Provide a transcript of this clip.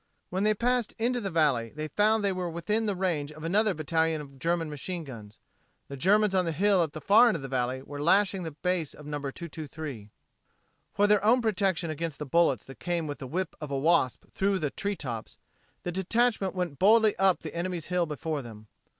When they passed into the valley they found they were within the range of another battalion of German machine guns. The Germans on the hill at the far end of the valley were lashing the base of No. 223. For their own protection against the bullets that came with the whip of a wasp through the tree tops, the detachment went boldly up the enemy's hill before them.